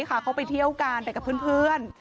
เขาไปเที่ยวกันไปกับเพื่อน